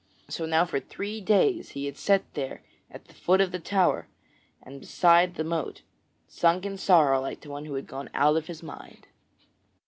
So now for three days he had set there at the foot of the tower and beside the moat, sunk in sorrow like to one who had gone out of his mind.